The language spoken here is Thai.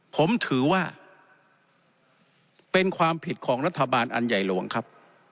ผมถือว่าเป็นความผิดของรัฐบาลอันใหญ่หลวงครับ